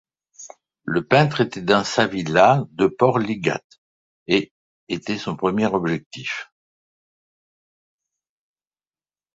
Le peintre était dans sa villa de Port Lligat et était son premier objectif.